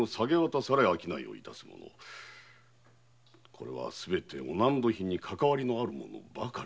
これはすべて御納戸品にかかわりのある者ばかり。